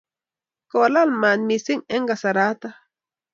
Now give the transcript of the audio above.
Kolal maat missing' eng' kasaratak.